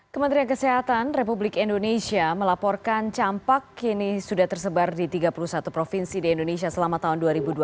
kementerian kesehatan republik indonesia melaporkan campak kini sudah tersebar di tiga puluh satu provinsi di indonesia selama tahun dua ribu dua puluh